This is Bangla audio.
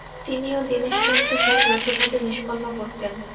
তিনি ও দীনেশচন্দ্র সেন যৌথভাবে নিষ্পন্ন করতেন।